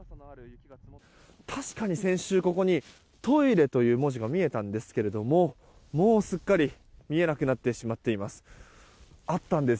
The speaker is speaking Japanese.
確かに先週ここにトイレという文字が見えたんですけど、もうすっかり見えなくなってしまっています。